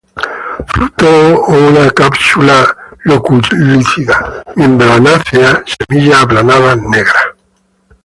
Fruto una cápsula loculicida, membranácea; semillas aplanadas, negras.